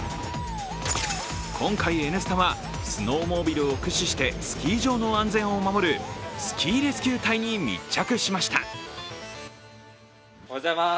今回、「Ｎスタ」はスノーモービルを駆使してスキー場の安全を守るスキーレスキュー隊に密着しました。